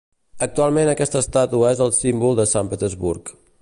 Actualment aquesta estàtua és el símbol de Sant Petersburg.